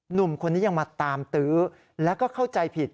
หนุ่มคนนี้ยังมาตามตื้อแล้วก็เข้าใจผิด